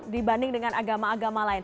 dibanding dengan agama agama lain